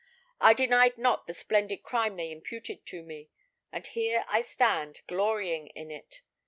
I denied not the splendid crime they imputed to me, and here I stand, glorying in it.